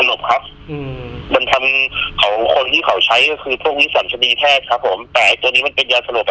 มันทำของคนที่เค้าใช้คือครับผมแต่ตัวนี้มันเป็นยาสนบ